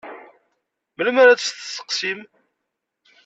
Melmi ara tt-tesseqsim?